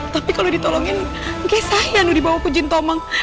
tapi kau integrating